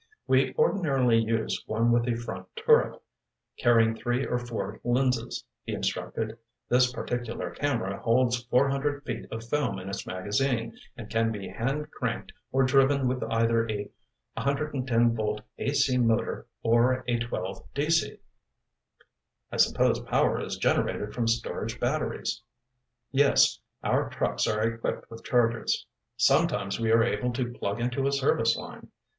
"We ordinarily use one with a front turret, carrying three or four lenses," he instructed. "This particular camera holds four hundred feet of film in its magazine and can be hand cranked or driven with either a 110 volt A.C. motor or a 12 D.C." "I suppose power is generated from storage batteries?" "Yes, our trucks are equipped with chargers. Sometimes we are able to plug into a service line.